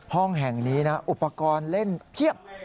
ห้องแห่งนี้นะอุปกรณ์เล่นเพียบ